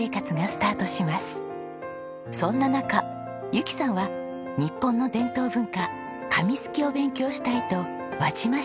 そんな中由紀さんは日本の伝統文化紙すきを勉強したいと輪島市へ。